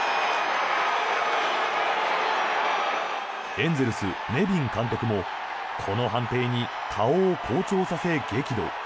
エンゼルス、ネビン監督もこの判定に顔を紅潮させ、激怒。